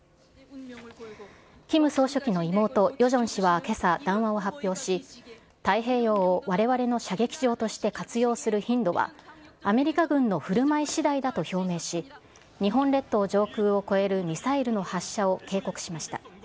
キム総書記の妹、ヨジョン氏はけさ、談話を発表し、太平洋をわれわれの射撃場として活用する頻度はアメリカ軍のふるまいしだいだと表明し、日本列島上空を越えるミサイルの発射を警告しました。